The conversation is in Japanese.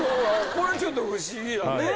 これちょっと不思議やね。